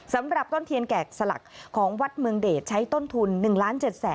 สำหรับต้นเทียนแกะสลักของวัดเมืองเดชใช้ต้นทุน๑ล้าน๗แสน